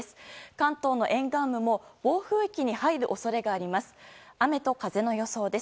関東の沿岸部も暴風域に入る恐れがあります。